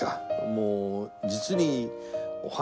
もう実に。